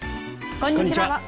こんにちは。